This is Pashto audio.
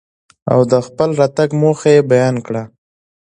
او دخپل راتګ موخه يې بيان کره.